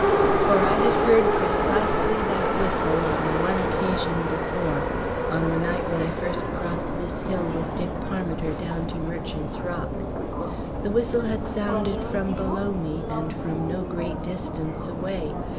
For I had heard precisely that whistle on one occasion before, on the night when I first crossed this hill with Dick Parmiter down to Merchant's Rock. The whistle had sounded from below me and from no great distance away.